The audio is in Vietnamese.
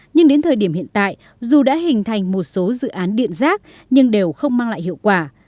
nhưng đến thời điểm hiện tại dù đã hình thành một số dự án điện rác nhưng đều không mang lại hiệu quả